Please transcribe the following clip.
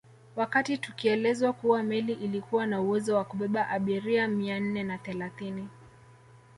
Wakati tukielezwa kuwa meli ilikuwa na uwezo wa kubeba abiria mia nne na thelathini